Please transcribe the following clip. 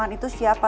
kemauan itu siapa